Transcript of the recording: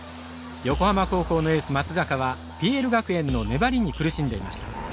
横浜高校のエース松坂はＰＬ学園の粘りに苦しんでいました。